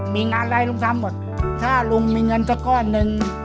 มีงานอะไรลุงทำหมดถ้าลุงมีเงินสักก้อนหนึ่ง